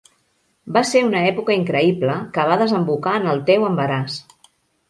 Va ser una època increïble que va desembocar en el teu embaràs.